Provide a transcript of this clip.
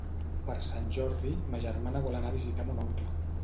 Per Sant Jordi ma germana vol anar a visitar mon oncle.